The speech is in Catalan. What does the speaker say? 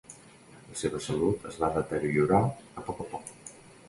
La seva salut es va deteriorar a poc a poc.